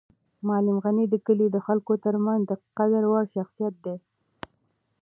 معلم غني د کلي د خلکو تر منځ د قدر وړ شخصیت دی.